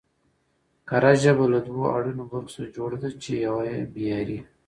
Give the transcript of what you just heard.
کره ژبه له دوو اړينو برخو څخه جوړه ده، چې يوه يې معياري